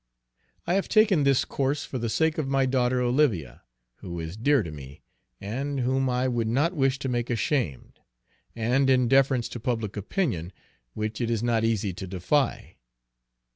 I have taken this course for the sake of my daughter Olivia, who is dear to me, and whom I would not wish to make ashamed; and in deference to public opinion, which it is not easy to defy.